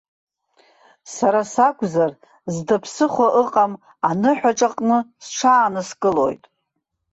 Сара сакәзар, зда ԥсыхәа ыҟам аныҳәаҿаҟны сҽааныскылоит.